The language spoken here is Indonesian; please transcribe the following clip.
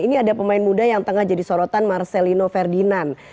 ini ada pemain muda yang tengah jadi sorotan marcelino ferdinand